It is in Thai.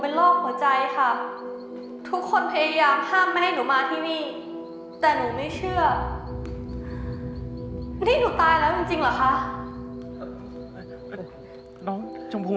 พี่ป๋องครับผมเคยไปที่บ้านผีคลั่งมาแล้ว